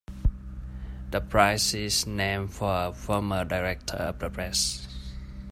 The prize is named for a former director of the Press.